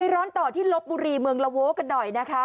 ร้อนต่อที่ลบบุรีเมืองละโว้กันหน่อยนะคะ